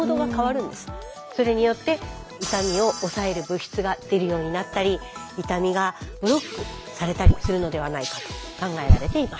それによって痛みを抑える物質が出るようになったり痛みがブロックされたりするのではないかと考えられています。